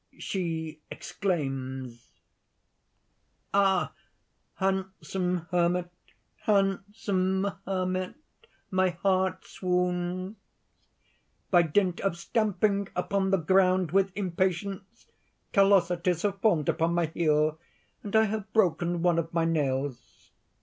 She exclaims_: "Ah! handsome hermit! handsome hermit! my heart swoons! "By dint of stamping upon the ground with impatience, callosities have formed upon my heel, and I have broken one of my nails.